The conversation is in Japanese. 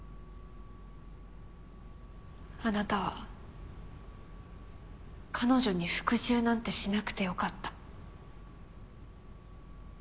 あなたは彼女に「服従」なんてしなくてよかった。